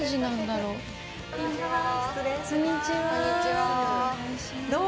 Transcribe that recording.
こんにちは。